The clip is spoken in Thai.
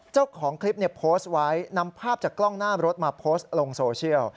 เจ้าของคลิปโพสต์ไว้นำภาพจากกล้องหน้ารถมาโพสต์ลงโซเชียล